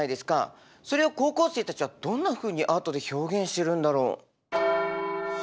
それを高校生たちはどんなふうにアートで表現してるんだろう？